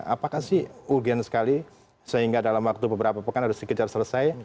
apakah sih urgen sekali sehingga dalam waktu beberapa pekan harus dikejar selesai